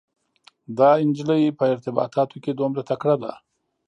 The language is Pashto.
دا انجلۍ په ارتباطاتو کې دومره تکړه ده.